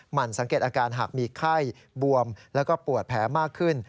มันสังเกตอาการหากมีไข้บวมแล้วก็ปวดแผลมากขึ้น